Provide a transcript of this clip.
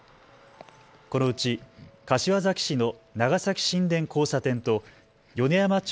このうち柏崎市の長崎新田交差点と米山町